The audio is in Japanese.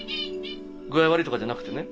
具合悪いとかじゃなくてね。